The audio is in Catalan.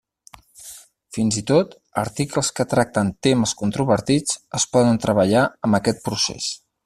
Fins i tot, articles que tracten temes controvertits es poden treballar amb aquest procés.